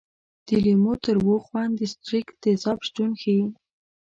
د لیمو تریو خوند د ستریک تیزاب شتون ښيي.